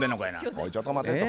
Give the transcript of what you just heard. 「おいちょっと待て」と。